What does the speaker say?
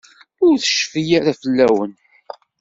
Ur tecfi ara fell-awen.